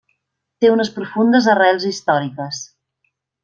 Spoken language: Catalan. Té unes profundes arrels històriques.